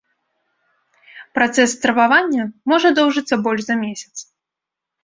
Працэс стрававання можа доўжыцца больш за месяц.